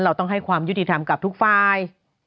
เราต้องให้ความยุติธรรมกับทุกฝ่าย